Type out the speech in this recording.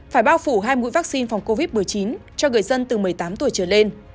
phải bao phủ hai mũi vaccine phòng covid một mươi chín cho người dân từ một mươi tám tuổi trở lên